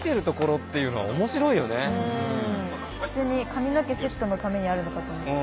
普通に髪の毛セットのためにあるのかと思ってた。